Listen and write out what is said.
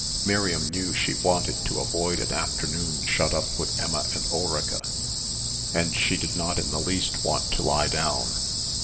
Miriam knew she wanted to avoid an afternoon shut up with Emma and Ulrica and she did not in the least want to lie down.